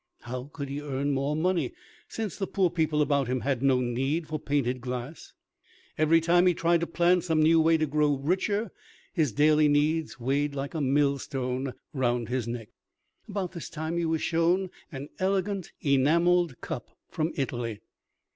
How could he earn more money, since the poor people about him had no need for painted glass? Every time he tried to plan some new way to grow richer, his daily needs weighed like a millstone around his neck. About this time he was shown an elegant enamelled cup from Italy.